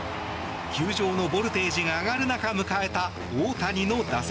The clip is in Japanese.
球場のボルテージが上がる中迎えた大谷の打席。